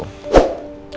mirna jadi tim gue